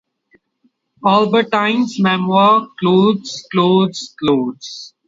Albertine's memoir, Clothes, Clothes, Clothes.